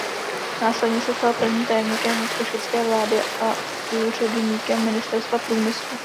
Následně se stal prvním tajemníkem košické vlády a úředníkem ministerstva průmyslu.